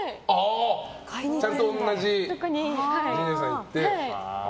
ちゃんと同じところに行って。